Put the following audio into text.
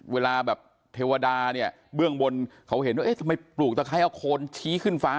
เวลาแบบเทวดาเนี่ยเบื้องบนเขาเห็นว่าเอ๊ะทำไมปลูกตะไคร้เอาโคนชี้ขึ้นฟ้า